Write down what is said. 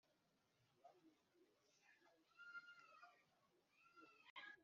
Ubwo igenzura ryakorwaga Minisiteri yari ifite ikibazo cy abakozi bake kuri bari bateganijwe